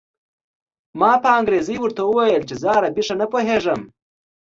ما په انګرېزۍ ورته وویل چې زه عربي ښه نه پوهېږم.